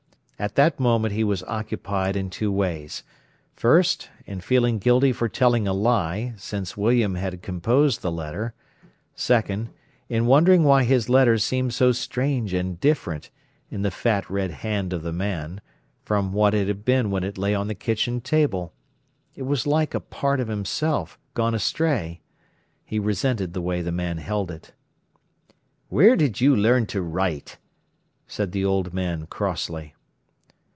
At that moment he was occupied in two ways: first, in feeling guilty for telling a lie, since William had composed the letter; second, in wondering why his letter seemed so strange and different, in the fat, red hand of the man, from what it had been when it lay on the kitchen table. It was like part of himself, gone astray. He resented the way the man held it. "Where did you learn to write?" said the old man crossly.